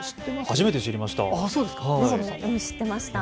初めて知りました。